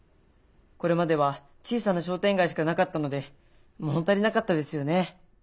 これまでは小さな商店街しかなかったので物足りなかったですよね。